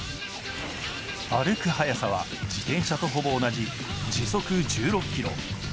歩く速さは自転車とほぼ同じ時速１６ｋｍ。